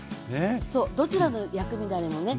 どちらの薬味だれもね